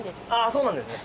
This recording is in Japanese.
そうなんですね